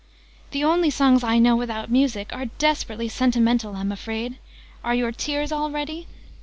"The only songs I know without music are desperately sentimental, I'm afraid! Are your tears all ready?"